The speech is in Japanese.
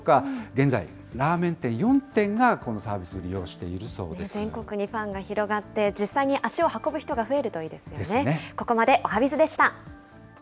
現在、ラーメン店４店がこのサー全国にファンが広がって、実際に足を運ぶ人が増えるといいですよね。